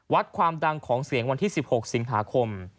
วัดความดังของเสียงวันที่๑๖สิงหาคม